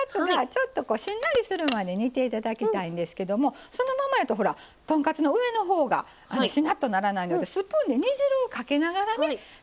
ちょっとしんなりするまで煮て頂きたいんですけどもそのままやとほら豚カツの上のほうがしなっとならないのでスプーンで煮汁をかけながらね炊いて下さい。